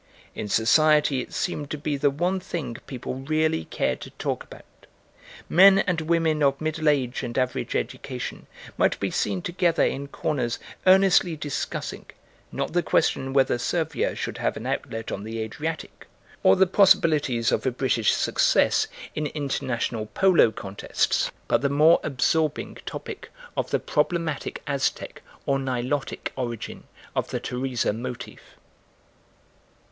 In Society it seemed to be the one thing people really cared to talk about; men and women of middle age and average education might be seen together in corners earnestly discussing, not the question whether Servia should have an outlet on the Adriatic, or the possibilities of a British success in international polo contests, but the more absorbing topic of the problematic Aztec or Nilotic origin of the Teresa motiv.